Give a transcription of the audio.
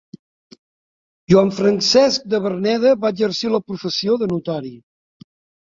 Joan Francesc de Verneda va exercir la professió de notari.